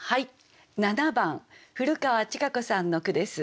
７番古川稚佳子さんの句です。